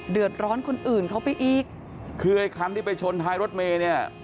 เดือดร้อนคนอื่นเขาไปอีกคือไอ้คันที่ไปชนท้ายรถเมย์เนี่ย